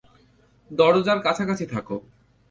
দরজার কাছাকাছি থাকো!